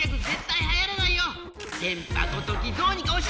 電波ごときどうにかおし！